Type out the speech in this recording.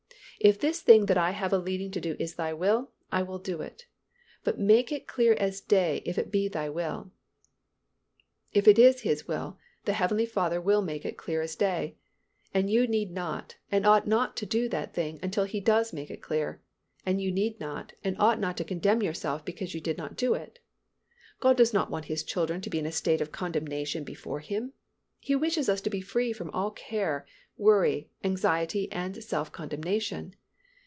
If this thing that I have a leading to do is Thy will, I will do it, but make it clear as day if it be Thy will." If it is His will, the heavenly Father will make it as clear as day. And you need not, and ought not to do that thing until He does make it clear, and you need not and ought not to condemn yourself because you did not do it. God does not want His children to be in a state of condemnation before Him. He wishes us to be free from all care, worry, anxiety and self condemnation.